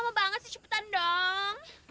aduh lama banget sih cepetan dong